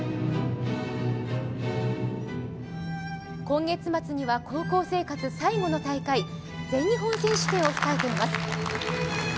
今月末には高校生活最後の大会、全日本選手権を控えています。